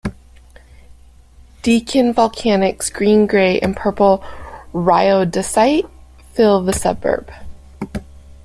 Deakin Volcanics green-grey and purple rhyodacite fill the suburb.